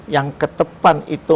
yang ke depan itu